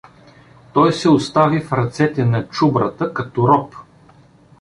Той се остави в ръцете на Чубрата като роб.